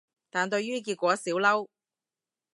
但對於結果少嬲